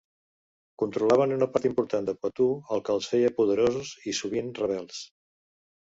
Controlaven una part important de Poitou el que els feia poderosos i sovint rebels.